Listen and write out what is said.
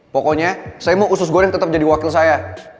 pokoknya saya mau usus goreng tetap jadi wakil saya